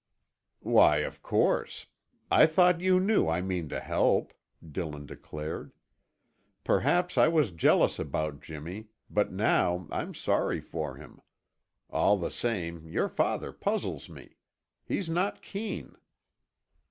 "Why, of course! I thought you knew I mean to help," Dillon declared. "Perhaps I was jealous about Jimmy, but now I'm sorry for him. All the same, your father puzzles me. He's not keen."